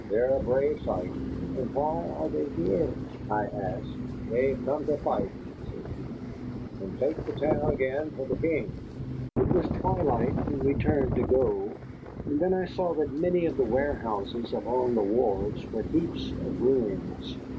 "They're a brave sight." "And why are they here?" I asked. "They've come to fight," said he, "and take the town again for the King." It was twilight when we turned to go, and then I saw that many of the warehouses along the wharves were heaps of ruins.